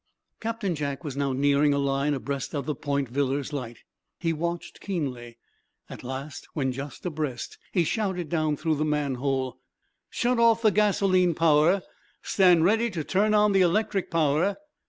Captain Jack was now nearing a line abreast of the Point Villars light. He watched keenly. At last, when just abreast, he shouted down through the manhole: "Shut off the gasoline power. Stand ready to turn on the electric power.